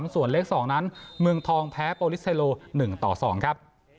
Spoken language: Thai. ส่วนเลข๒นั้นเมืองทองแพ้โปรลิสเทโล๑ต่อ๒ครับ